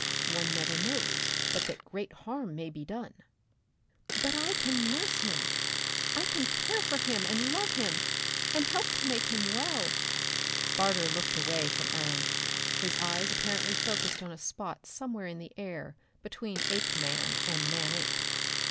One never knows but that great harm may be done." "But I can nurse him. I can care for him and love him, and help to make him well." Barter looked away from Ellen, his eyes apparently focussed on a spot somewhere in the air between Apeman and Manape.